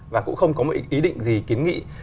và cũng không có một ý định gì kiến nghị